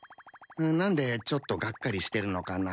何でちょっとがっかりしてるのかな？